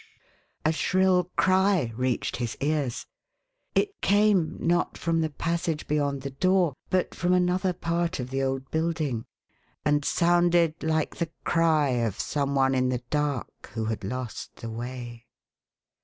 a shrill cry reached his ears. It. came, not from the passage beyond the door, but from another part of the old building, and sounded like the cry of some one in the dark who had lost the way.